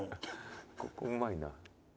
ここうまいな。